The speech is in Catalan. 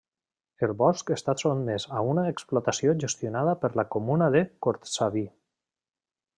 El bosc està sotmès a una explotació gestionada per la comuna de Cortsaví.